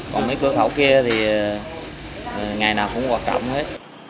còn cái cửa khẩu kia thì ngày nào cũng hoạt động hết